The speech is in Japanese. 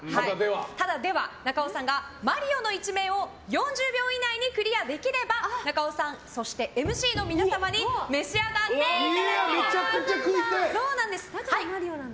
中尾さんが「マリオ」の１面を４０秒以内にクリアできれば中尾さん、そしてＭＣの皆様に召し上がっていただきます。